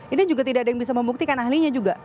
ini juga tidak ada yang bisa membuktikan ahlinya juga